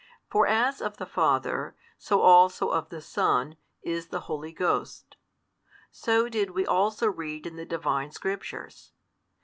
For as of the Father, so also of the Son, is the Holy Ghost. So did we also read in the Divine Scriptures.